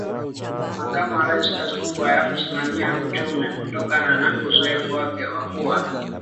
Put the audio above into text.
Makamu wa Rais kazi kubwa ya kusimamia uchumiKutokana na uzoefu wake wa kuwa